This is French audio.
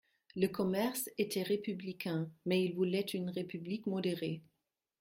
Le commerce était républicain ; mais il voulait une République modérée.